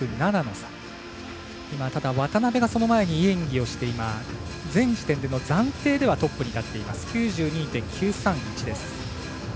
ただ、渡部がその前にいい演技をして現時点での暫定ではトップで９２．９３１。